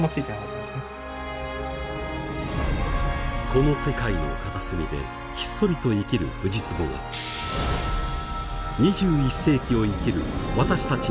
この世界の片隅でひっそりと生きるフジツボが２１世紀を生きる私たち